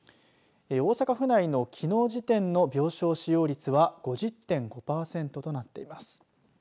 大阪府内のきのう時点の病床使用率は５０．５パーセントとなっています。